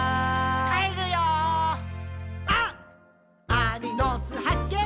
アリの巣はっけん